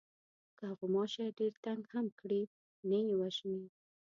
که غوماشی ډېر تنگ هم کړي نه یې وژنې.